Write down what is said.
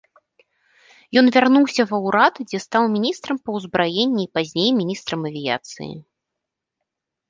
Ён вярнуўся ва ўрад, дзе стаў міністрам па ўзбраенні і пазней міністрам авіяцыі.